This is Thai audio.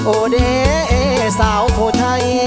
โอเดสาวผู้ไทยเอ๊ย